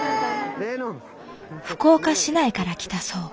福岡市内から来たそう。